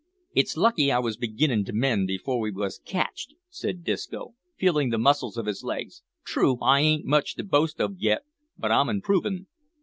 "It's lucky I was beginnin' to mend before we was catched," said Disco, feeling the muscles of his legs; "true, I ain't much to boast of yet but I'm improvin'."